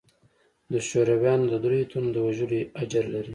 د شورويانو د درېو تنو د وژلو اجر لري.